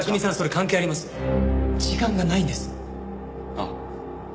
ああ。